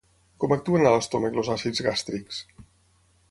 Com actuen a l'estómac els àcids gàstrics?